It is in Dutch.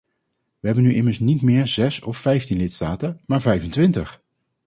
We hebben nu immers niet meer zes of vijftien lidstaten maar vijfentwintig.